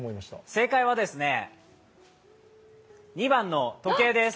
正解は、２番の時計です。